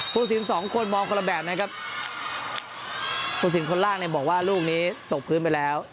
สินสองคนมองคนละแบบนะครับผู้สินคนล่างเนี่ยบอกว่าลูกนี้ตกพื้นไปแล้ว